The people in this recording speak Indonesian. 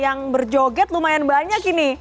dan juga berjoget lumayan banyak ini